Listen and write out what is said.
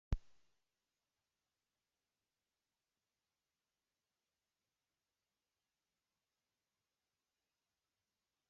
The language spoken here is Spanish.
Como una evolución del análisis de contenidos surgió el análisis del discurso.